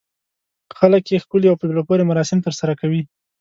خلک یې ښکلي او په زړه پورې مراسم ترسره کوي.